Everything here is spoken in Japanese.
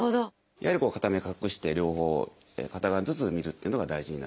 やはり片目隠して両方片側ずつ見るっていうのが大事になります。